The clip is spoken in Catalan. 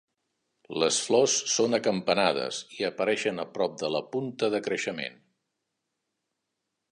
Les flors són acampanades i apareixen a prop de la punta de creixement.